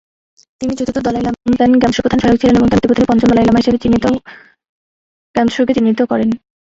তিনি চতুর্থ Dalai Lama য়োন-তান-র্গ্যা-ম্ত্শোর প্রধান সহায়ক ছিলেন এবং তার মৃত্যুর পর তিনি পঞ্চম দলাই লামা হিসেবে ঙ্গাগ-দ্বাং-ব্লো-ব্জাং-র্গ্যা-ম্ত্শোকে চিহ্নিত করেন।